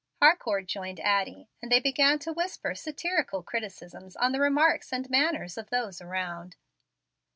Harcourt joined Addie, and they began to whisper satirical criticisms on the remarks and manners of those around.